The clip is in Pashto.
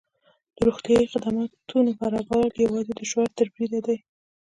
د روغتیايي خدمتونو برابرول یوازې د شعار تر بریده دي.